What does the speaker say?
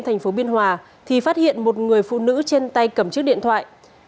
thì phát hiện một người phụ nữ trên tay cầm chiếc điện thoại